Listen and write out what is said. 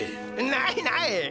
ないない！